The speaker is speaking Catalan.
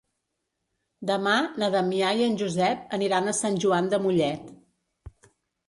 Demà na Damià i en Josep aniran a Sant Joan de Mollet.